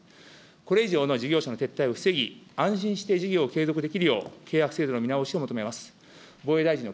これ以上の事業者の撤退を防ぎ安心して事業を継続できるよう、契約制度の見直しを求めます。